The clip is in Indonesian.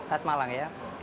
khas malang ya